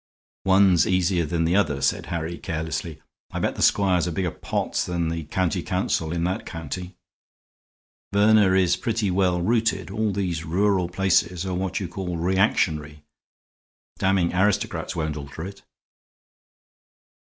"One's easier than the other," said Harry, carelessly. "I bet the squire's a bigger pot than the county council in that county. Verner is pretty well rooted; all these rural places are what you call reactionary. Damning aristocrats won't alter it."